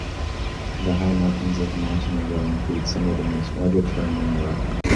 The high mountains of Montenegro include some of the most rugged terrain in Europe.